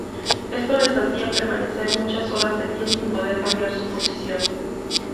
Esto les hacía permanecer muchas horas de pie sin poder cambiar su posición.